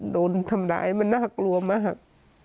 โดนทำร้ายมันน่ากลัวมาก